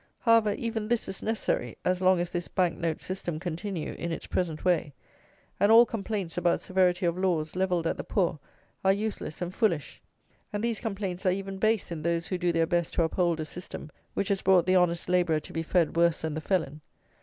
However, even this is necessary, as long as this bank note system continue in its present way; and all complaints about severity of laws, levelled at the poor, are useless and foolish; and these complaints are even base in those who do their best to uphold a system which has brought the honest labourer to be fed worse than the felon.